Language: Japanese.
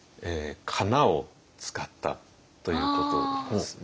かなを使ったということですね。